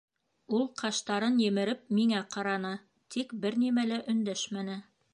Ул ҡаштарын емереп миңә ҡараны, тик бер нимә лә өндәшмәне.